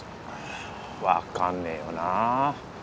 分かんねえよなぁ。